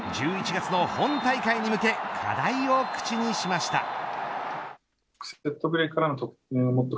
１１月の本大会に向け課題を口にしました。